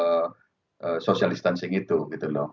dan kemudian social distancing itu